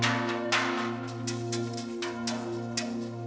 kenapa tuh ga boleh